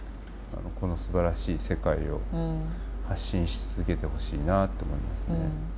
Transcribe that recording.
このすばらしい世界を発信し続けてほしいなと思いますね。